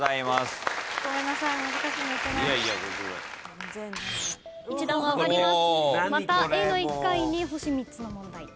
またＡの１階に星３つの問題。